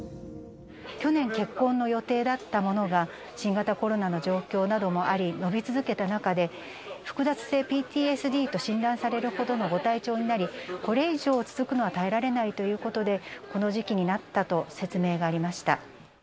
去年、結婚の予定だったものが、新型コロナの状況などもあり、延び続けた中で、複雑性ＰＴＳＤと診断されるほどのご体調になり、これ以上続くのは耐えられないということで、この時期になったと説明がありました。